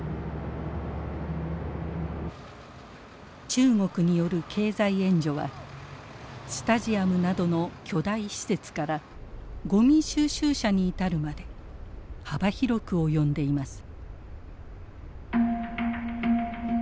中国による経済援助はスタジアムなどの巨大施設からゴミ収集車に至るまで幅広く及んでいます。